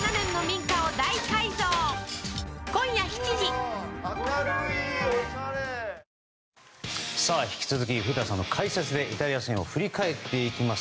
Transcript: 古田さんが注目したキーマンは引き続き古田さんの解説でイタリア戦を振り返っていきます。